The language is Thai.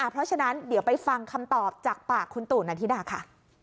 เพราะฉะนั้นเดี๋ยวไปฟังคำตอบจากปากคุณตู่นาธิดาค่ะ